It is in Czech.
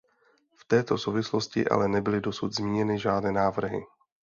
V této souvislosti ale nebyly dosud zmíněny žádné návrhy.